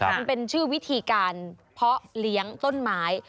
มันเป็นชื่อวิธีการเพาะเลี้ยงต้นไม้